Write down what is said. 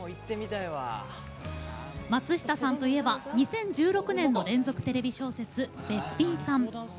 松下さんといえば２０１６年の連続テレビ小説「べっぴんさん」。